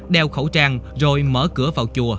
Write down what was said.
đeo khẩu trang rồi mở cửa vào chùa